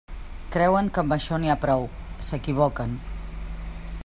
Creuen que amb això n'hi ha prou; s'equivoquen.